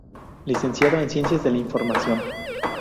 Licenciado en Ciencias de la Información.